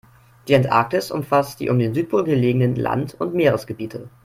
Die Antarktis umfasst die um den Südpol gelegenen Land- und Meeresgebiete.